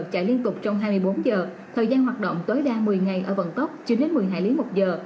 chạy liên tục trong hai mươi bốn giờ thời gian hoạt động tối đa một mươi ngày ở vận tốc chưa đến một mươi hải lý một giờ